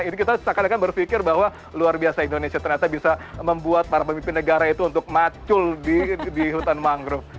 ini kita seakan akan berpikir bahwa luar biasa indonesia ternyata bisa membuat para pemimpin negara itu untuk macul di hutan mangrove